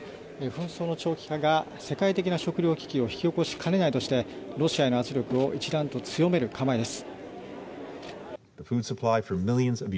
紛争の長期化が世界的な食糧危機を引き起こしかねないとしてロシアへの圧力を一段と強める構えです。